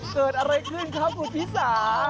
เกิดอะไรขึ้นครับคุณชิสา